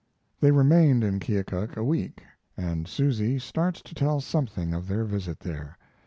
They remained in Keokuk a week, and Susy starts to tell something of their visit there.